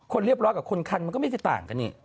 เรียบร้อยกับคนคันมันก็ไม่ได้ต่างกันนี่